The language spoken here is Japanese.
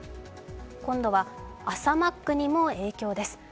今度は朝マックにも影響です。